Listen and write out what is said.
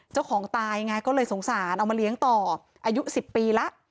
เจ้าของตายไงก็เลยสงสารเอามาเลี้ยงต่ออายุสิบปีละ